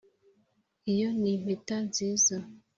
iyo ni impeta nziza.